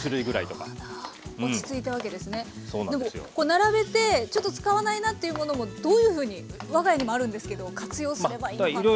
並べてちょっと使わないなっていうものもどういうふうに我が家にもあるんですけど活用すればいいのかなっていう。